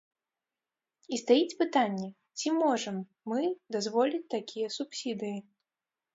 І стаіць пытанне, ці можам мы дазволіць такія субсідыі?